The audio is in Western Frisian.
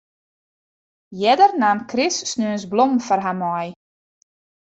Earder naam Chris sneons blommen foar har mei.